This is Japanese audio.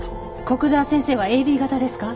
古久沢先生はＡＢ型ですか？